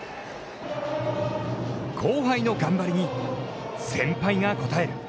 後輩の頑張りに、先輩が応える。